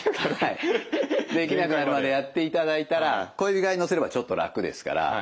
できなくなるまでやっていただいたら小指側に乗せればちょっと楽ですから。